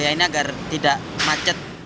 bayangin agar tidak macet